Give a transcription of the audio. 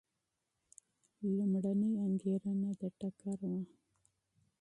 لومړنۍ انګېرنه د ټکر وه.